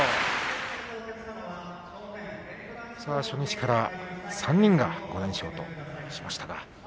初日から３人が５連勝としました。